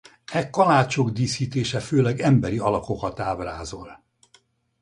E kalácsok díszítése főleg emberi alakokat ábrázol.